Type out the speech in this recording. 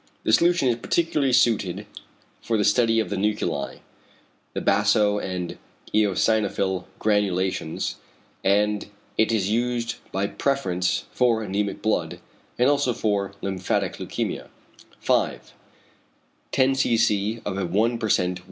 This solution is particularly suited for the study of the nuclei, the baso and eosinophil granulations, and it is used by preference for anæmic blood, and also for lymphatic leukæmia. 5. 10 c.c. of a 1 per cent.